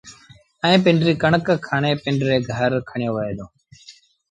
ائيٚݩ پنڊريٚ ڪڻڪ کڻي پنڊري گھر کڻيوهي دو